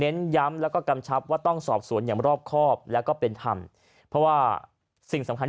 เน้นย้ำแล้วก็กำชัพว่าต้องสอบสวนอย่างรอบครอบและเป็นธรรม